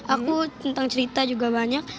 aku tentang cerita juga banyak